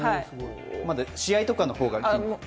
試合とかのほうが？